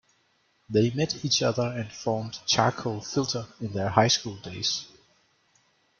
They met each other and formed Charcoal Filter in their high school days.